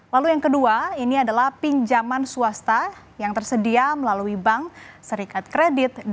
lalu yang kedua ini adalah pinjaman swasta yang tersedia melalui bank serikat kredit